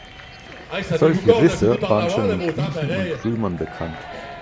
Solche Risse waren schon den Griechen und Römern bekannt.